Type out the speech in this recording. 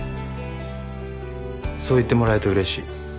そう言ってもらえてうれしい。